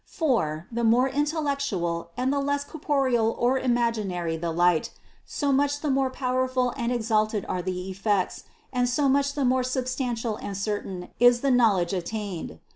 For, the more intellectual and the less corporeal or imaginary the light, so much the more powerful and exalted are the effects, and so much the more substantial and certain is the knowledge attained.